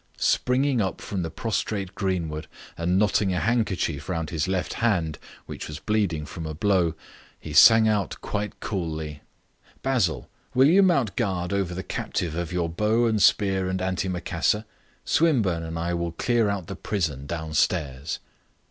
Springing up from the prostrate Greenwood, and knotting a handkerchief round his left hand, which was bleeding from a blow, he sang out quite coolly: "Basil, will you mount guard over the captive of your bow and spear and antimacassar? Swinburne and I will clear out the prison downstairs."